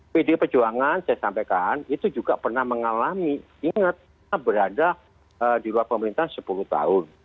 pdi perjuangan saya sampaikan itu juga pernah mengalami ingat berada di luar pemerintahan sepuluh tahun